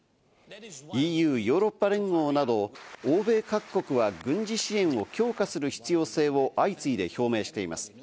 ＥＵ＝ヨーロッパ連合など、欧米各国は軍事支援を強化する必要性を相次いで表明しています。